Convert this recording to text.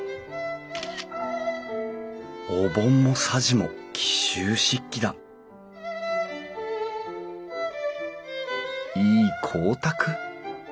お盆もさじも紀州漆器だいい光沢！